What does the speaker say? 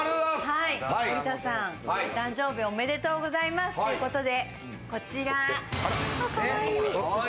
森田さん、お誕生日おめでとうございますということで。